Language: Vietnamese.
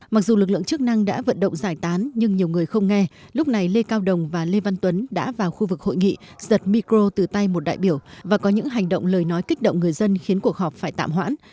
mặc dù lực lượng chức năng đã vận động giải tán nhưng nhiều người không nghe lúc này lê cao đồng và lê văn tuấn đã vào khu vực hội nghị giật micro từ tay một đại biểu và có những hành động lời nói kích động người dân khiến cuộc họp phải tạm hoãn